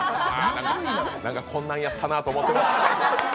こんなんやったなって思ってました。